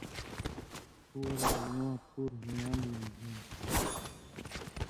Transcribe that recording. ݜُو ول لا اِواں پُوروۡ ہیواند لن٘گھیان٘س۔